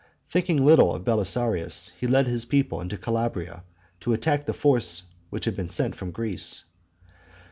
Thinking little of Belisarius, he led his people into Calabria, to attack the forces which had been sent from Greece.